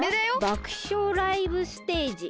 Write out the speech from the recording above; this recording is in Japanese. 「爆笑ライブステージ。